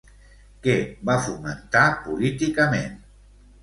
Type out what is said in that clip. Què va fomentar políticament?